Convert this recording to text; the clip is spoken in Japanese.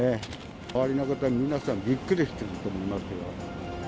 周りの皆さん、びっくりしてると思いますよ。